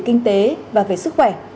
kinh tế và về sức khỏe